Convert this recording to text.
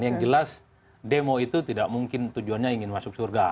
yang jelas demo itu tidak mungkin tujuan yang terakhir itu adalah